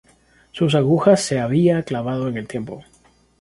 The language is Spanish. Sus agujas se había clavado en el tiempo.